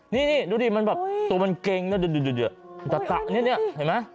นี่นี่ดูดิมันแบบตัวบางเกงนี่ดูดับนี้เห็นไหม